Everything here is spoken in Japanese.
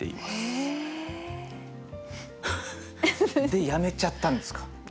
へえ！でやめちゃったんですか？